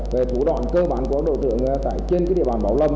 về thủ đoạn cơ bản của đối tượng trên địa bàn bảo lâm